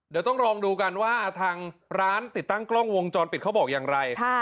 เดี๋ยวต้องลองดูกันว่าทางร้านติดตั้งกล้องวงจรปิดเขาบอกอย่างไร